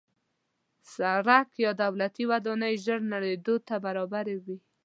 سړک یا دولتي ودانۍ ژر نړېدو ته برابره وي.